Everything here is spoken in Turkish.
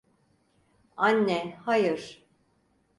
Anne, hayır!